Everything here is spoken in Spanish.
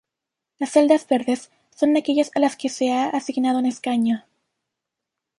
Las celdas verdes son aquellas a las que se ha asignado un escaño.